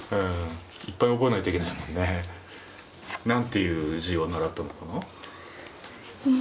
いっぱい覚えないといけないもんね。なんていう字を習ったのかな？